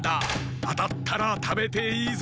あたったらたべていいぞ。